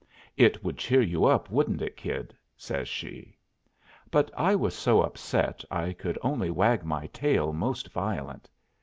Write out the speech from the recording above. "It would cheer you up, wouldn't it, Kid?" says she. But I was so upset I could only wag my tail most violent.